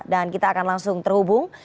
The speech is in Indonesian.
dan kita akan langsung terhubung